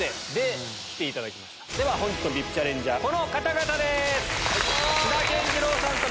では本日のＶＩＰチャレンジャーこの方々です。